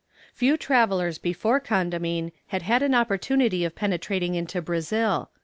] Few travellers before Condamine had had an opportunity of penetrating into Brazil.